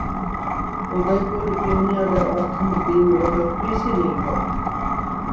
উদয়পুর ইউনিয়নের অর্থনীতি মূলত কৃষি নির্ভর।